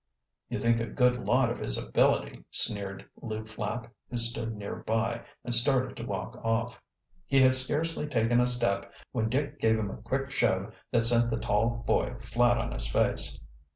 "You think a good lot of his ability," sneered Lew Flapp, who stood close by, and started to walk off. He had scarcely taken a step when Dick gave him a quick shove that sent the tall boy flat on his face.